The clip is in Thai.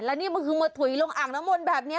แล้วนี่มันคือมาถุยลงอ่างน้ำมนต์แบบนี้